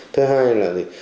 thứ hai là gì